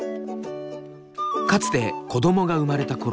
かつて子どもが生まれたころ